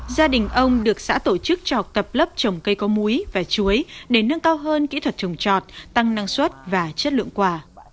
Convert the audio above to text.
gia đình ông được xã tổ chức trọc tập lấp trồng cây có muối và chuối để nâng cao hơn kỹ thuật trồng trọt tăng năng suất và chất lượng quả